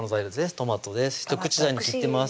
トマトです